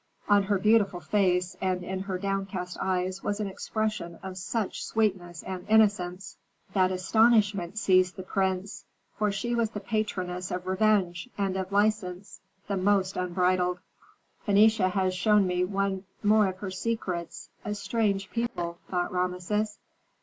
On her beautiful face and in her downcast eyes was an expression of such sweetness and innocence that astonishment seized the prince, for she was the patroness of revenge and of license the most unbridled. "Phœnicia has shown me one more of her secrets. A strange people," thought Rameses.